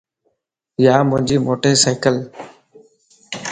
يا ھنجي موٽي سيڪلَ